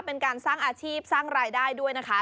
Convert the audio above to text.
เป็นการสร้างอาชีพสร้างรายได้ด้วยนะคะ